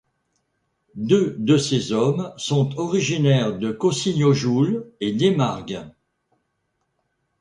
Deux de ces hommes sont originaires de Caussiniojouls et d'Aimargues.